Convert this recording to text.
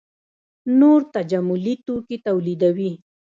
نور تجملي توکي تولیدوي.